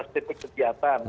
lima belas tipe kegiatan